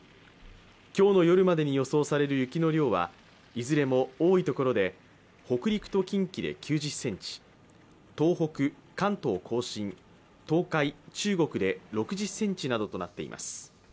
今日の夜までに予想される雪の量はいずれも多いところで北陸と近畿で９０ｃｍ、東北、関東甲信、東海、中国で６０ｃｍなどとなっています。